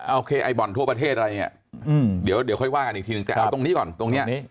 โอเคไอ้บ่อนทั่วประเทศอะไรเนี่ยเดี๋ยวค่อยว่ากันอีกทีนึงแต่เอาตรงนี้ก่อนตรงนี้